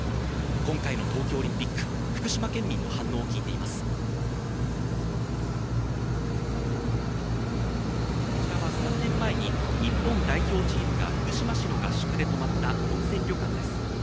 今回の東京オリンピック、福島県民の反応をこちらは３年前に日本代表チームが福島市の合宿で泊まった温泉旅館です。